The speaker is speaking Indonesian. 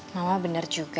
mama benar juga